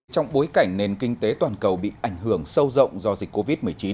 trong bối cảnh nền kinh tế toàn cầu bị ảnh hưởng sâu rộng do dịch covid một mươi chín